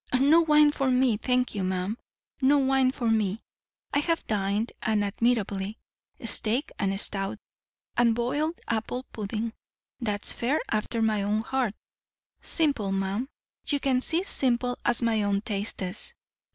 "No wine for me, thank you, ma'am; no wine for me. I have dined, and admirably. Steak and stout, and boiled apple pudding; that's fare after my own heart. Simple, ma'am, you can see—simple as my own tastes.